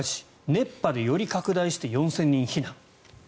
熱波でより拡大して４０００人避難。